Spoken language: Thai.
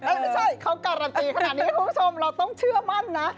ไม่ใช่เขาการันตีขนาดนี้คุณผู้ชมเราต้องเชื่อมั่นนะ